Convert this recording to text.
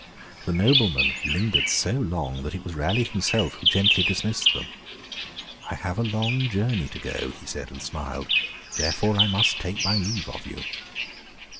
The noblemen lingered so long, that it was Raleigh himself who gently dismissed them. 'I have a long journey to go,' he said, and smiled, 'therefore I must take my leave of you.'